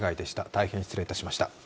大変失礼いたしました。